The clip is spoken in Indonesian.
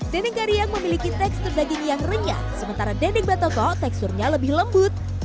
dendeng kariang memiliki tekstur daging yang renyah sementara dendeng batoko teksturnya lebih lembut